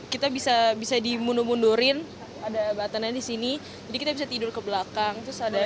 kita bisa dimundur mundurin ada button nya di sini jadi kita bisa tidur ke belakang